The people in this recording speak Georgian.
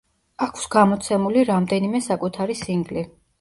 აქვს გამოცემული რამდენიმე საკუთარი სინგლი.